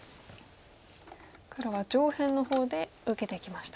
黒は上辺の方で受けてきました。